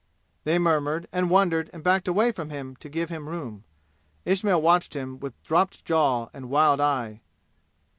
They murmured and wondered and backed away from him to give him room. Ismail watched him with dropped jaw and wild eye.